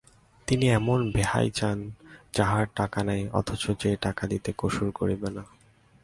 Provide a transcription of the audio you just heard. তিনি এমন বেহাই চান যাহার টাকা নাই অথচ যে টাকা দিতে কসুর করিবে না।